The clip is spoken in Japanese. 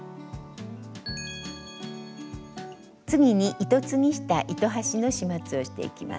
次に糸継ぎした糸端の始末をしていきます。